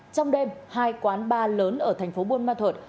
trong đêm hai quán bar lớn ở thành phố buôn ma thuật